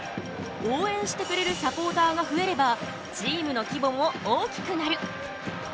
応援してくれるサポーターが増えればチームの規模も大きくなる。